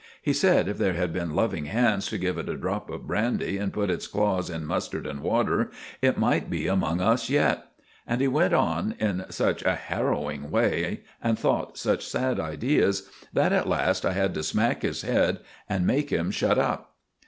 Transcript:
He said if there had been loving hands to give it a drop of brandy and put its claws in mustard and water, it might be among us yet. And he went on in such a harrowing way, and thought such sad ideas, that at last I had to smack his head and make him shut up.